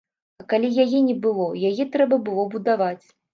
А калі яе не было, яе трэба было будаваць.